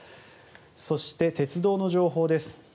そして、鉄道の情報です。